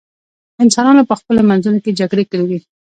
انسانانو په خپلو منځونو کې جګړې کړې دي.